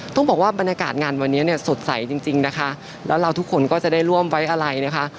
ต้องบอกว่าบรรยากาศงานวันนี้เนี่ยสดใสจริงจริงนะคะแล้วเราทุกคนก็จะได้ร่วมไว้อะไรนะคะ